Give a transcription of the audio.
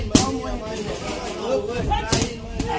คุณพ่อมีลูกทั้งหมด๑๐ปี